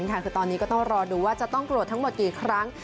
คือตอนนี้ก็ต้องรอดูว่าจะต้องตรวจทั้งหมดกี่ครั้ง